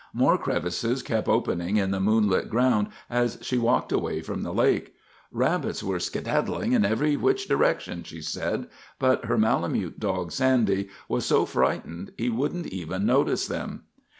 More crevices kept opening in the moonlit ground as she walked away from the lake. "Rabbits were skedaddling in every which direction," she said, but her Malamute dog, Sandy, was so frightened he wouldn't even notice them.